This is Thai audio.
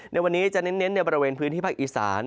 ในวันนี้จะเน้นในบริเวณพื้นที่ภาคอีสาน